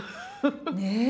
ねえ！